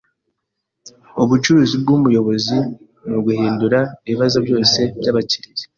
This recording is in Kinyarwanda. Ubucuruzi bwumuyobozi nuguhindura ibibazo byose byabakiriya.